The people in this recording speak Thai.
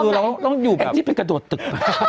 แบบต้องอยู่แบบแองจี้ไปกระโดดตึก